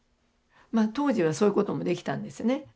当時はそういうこともできたんですね。